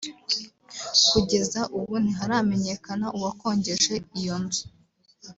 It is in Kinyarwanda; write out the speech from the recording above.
Kugeza ubu ntiharamenyekana uwakongeje iyo nzu